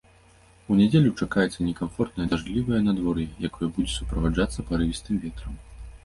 У нядзелю чакаецца некамфортнае дажджлівае надвор'е, якое будзе суправаджацца парывістым ветрам.